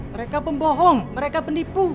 mereka pembohong mereka penipu